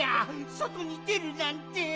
そとにでるなんて！